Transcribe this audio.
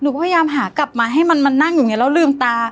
พยายามหากลับมาให้มันนั่งอยู่อย่างนี้แล้วลืมตา